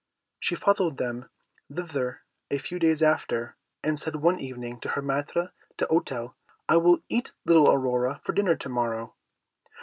She followed them thither a few days after, and said one evening to her Maître d'Hôtel, "I will eat little Aurora for dinner to morrow."